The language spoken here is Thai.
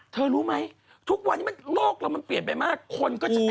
รู้ไหมทุกวันนี้โลกเรามันเปลี่ยนไปมากคนก็จะไป